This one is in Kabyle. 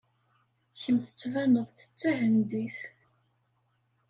Kemm tettbaneḍ-d d Tahendit.